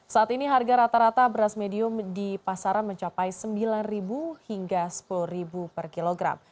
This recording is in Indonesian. saat ini harga rata rata beras medium di pasaran mencapai rp sembilan hingga rp sepuluh per kilogram